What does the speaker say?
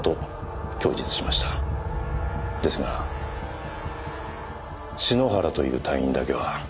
ですが篠原という隊員だけは。